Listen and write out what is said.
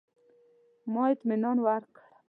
ما اطمنان ورکړ.